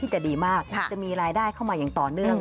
จะมีรายได้เข้ามาอย่างต่อเนื่อง